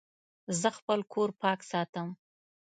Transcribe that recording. زه خپل کور پاک ساتم.